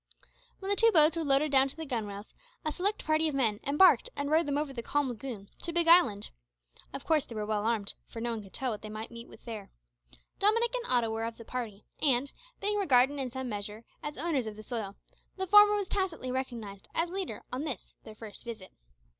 When the two boats were loaded down to the gunwales, a select party of men embarked and rowed them over the calm lagoon to Big Island. Of course they were well armed, for no one could tell what they might meet with there. Dominick and Otto were of the party, and, being regarded in some measure as owners of the soil, the former was tacitly recognised as leader on this their first visit.